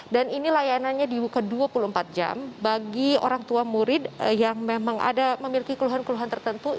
dan ini layanannya di buka dua puluh empat jam bagi orang tua murid yang memang ada memiliki keluhan keluhan tersebut